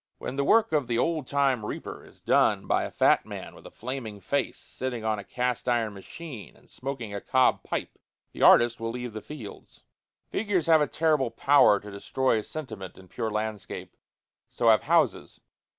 When the work of the old time reaper is done by a fat man with a flaming face, sitting on a cast iron machine, and smoking a cob pipe, the artist will leave the fields. Figures have a terrible power to destroy sentiment in pure landscape; so have houses.